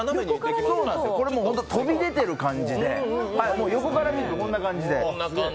本当に飛び出てる感じで、もう横から見るとこんな感じで。